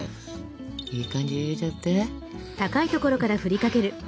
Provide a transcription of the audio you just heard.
いい感じに入れちゃって。